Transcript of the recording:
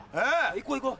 行こう行こう。